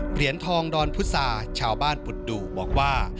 เปลี่ยนทองดอนพุทธศาสตร์ชาวบ้านปุดดุบอกว่า